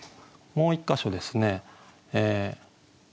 もう１か所ですね。